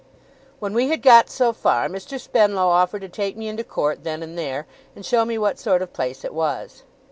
When we had got so far, Mr. Spenlow offered to take me into Court then and there, and show me what sort of place it was.